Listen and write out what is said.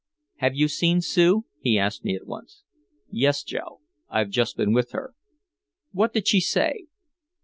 "Have you seen Sue?" he asked me at once. "Yes Joe, I've just been with her." "What did she say?"